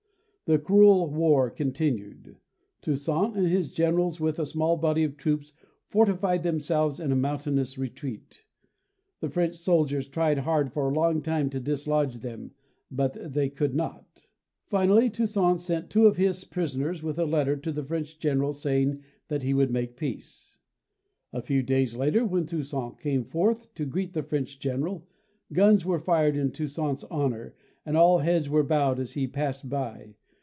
The cruel war continued. Toussaint and his generals with a small body of troops fortified themselves in a TOUSSAINT I/OUVERTURE [187 mountainous retreat. The French soldiers tried hard for a long time to dislodge them but they could not. Finally Toussaint sent two of his pris oners with a letter to the French General saying that he would make peace. A few days later, when Toussaint came forth to greet the French general, guns were fired in Tous saint's honor and all heads were bowed as he passed by.